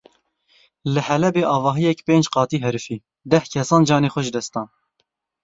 Li Helebê avahiyek pênc qatî herifî deh kesan canê xwe ji dest dan.